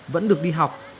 vẫn được đi học